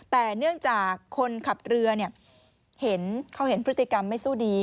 แต่เนื่องจากคนขับเรือเห็นเขาเห็นพฤติกรรมไม่สู้ดี